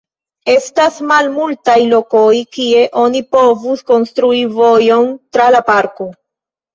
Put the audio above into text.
Estas malmultaj lokoj, kie oni povus konstrui vojon tra la parko.